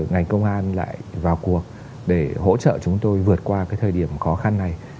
ngành công an lại vào cuộc để hỗ trợ chúng tôi vượt qua cái thời điểm khó khăn này